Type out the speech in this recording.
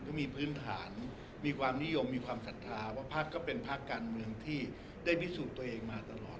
ก็มีพื้นฐานมีความนิยมมีความศรัทธาว่าภาคก็เป็นภาคการเมืองที่ได้พิสูจน์ตัวเองมาตลอด